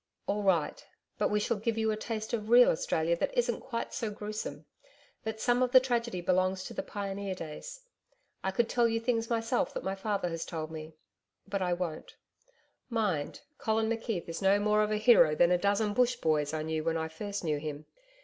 'All right! But we shall give you a taste of real Australia that isn't quite so gruesome. That some of the tragedy belongs to the pioneer days.... I could tell you things myself that my father has told me. ... But I won't.... Mind, Colin McKeith is no more of a hero than a dozen bush boys I knew when I first knew him.